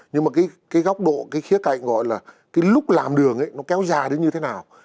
nhưng mà cái góc độ cái khía cạnh gọi là cái lúc làm đường ấy nó kéo dài đến như thế nào